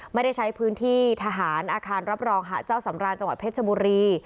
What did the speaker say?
ไม่ได้ใช้พื้นที่ทหารอาคารรับรองหาเจ้าสำราญจังหวัดเพชรบุรี